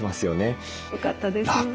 よかったです。